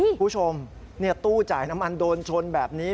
คุณผู้ชมตู้จ่ายน้ำมันโดนชนแบบนี้